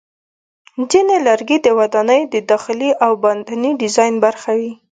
ځینې لرګي د ودانیو د داخلي او باندني ډیزاین برخه وي.